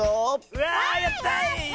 うわやった！